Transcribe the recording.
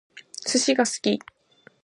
寿司が好き